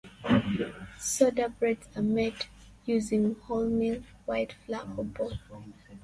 Soda breads are made using wholemeal, white flour, or both.